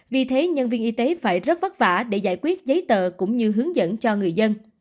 vì thế nhân viên y tế phải rất vất vả để giải quyết giấy tờ cũng như hướng dẫn cho người dân